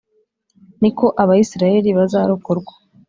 niko Abayisraheli bazarokorwa,